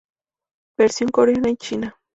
Versión Coreana y China